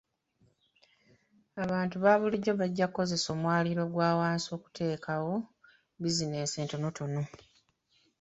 Abantu ba bulijjo bajja kukozesa omwaliriro ogwa wansi okuteekawo bizinensi entonotono.